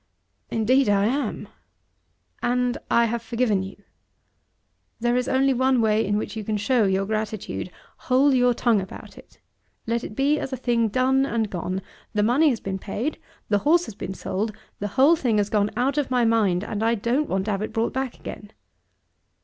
"Indeed I am." "And I have forgiven you. There is only one way in which you can show your gratitude. Hold your tongue about it. Let it be as a thing done and gone. The money has been paid. The horse has been sold. The whole thing has gone out of my mind, and I don't want to have it brought back again."